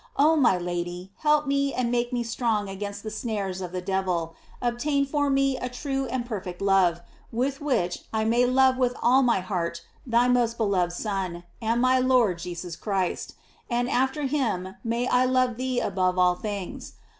Oh my Lady, help me and make me strong against the snares of the devil ; obtain for me a true and perfect love, with which I may love with all my heart thy most beloved Son, and my Lord Jesus Christ ; and after him may I love thee above all things.